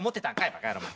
バカ野郎お前。